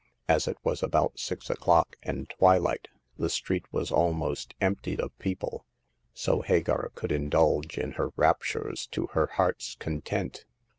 As it was about six o'clock and twilight, the street was al most emptied of people, so Hagar could indulge in her raptures to her heart's content.